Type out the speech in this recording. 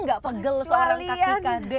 ada gak pegel seorang kaki kade